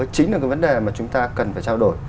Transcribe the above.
chính là cái vấn đề mà chúng ta cần phải trao đổi